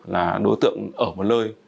là đối tượng ở một nơi